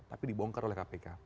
tapi dibongkar oleh kpk